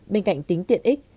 bên cạnh tính tiện ích